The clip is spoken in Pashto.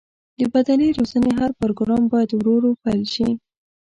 د بدني روزنې هر پروګرام باید ورو ورو پیل شي.